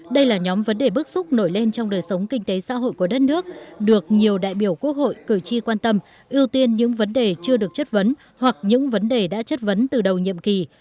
đây là nhóm vấn đề bước xúc nổi lên trong đời sống kinh tế xã hội của đất nước được nhiều đại biểu quốc hội cử tri quan tâm ưu tiên những vấn đề chưa được chất vấn hoặc những vấn đề đã chất vấn từ đầu nhiệm kỳ